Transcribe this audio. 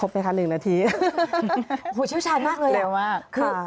หูชิ้นชายมากเลย